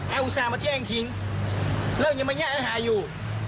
เอาอุตส่าห์มาแจ้งคิงแล้วยังไม่เงี๊ยะเอาหายอยู่